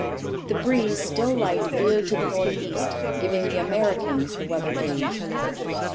The breeze, still light, veered to the north east, giving the Americans the weather gauge.